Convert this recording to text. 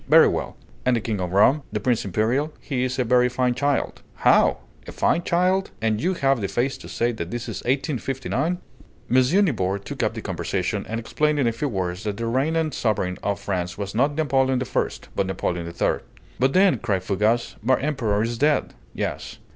"Very well." "And the King of Rome?" "The Prince Imperial? He is a very fine child." "How? A fine child! And you have the face to say that this is 1859!" M. Nibor took up the conversation, and explained in a few words that the reigning sovereign of France was not Napoleon I., but Napoleon III. "But then," cried Fougas, "my Emperor is dead!" "Yes."